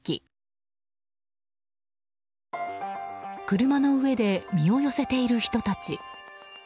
車の上で身を寄せている人たち。